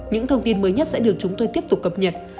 những thông tin mới nhất sẽ được chúng tôi tiếp tục cập nhật